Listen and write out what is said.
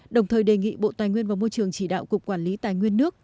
đồng thời đề nghị bộ tài nguyên và môi trường chỉ đạo cục quản lý tài nguyên nước